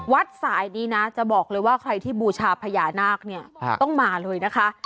สายนี้นะจะบอกเลยว่าใครที่บูชาพญานาคเนี่ยต้องมาเลยนะคะ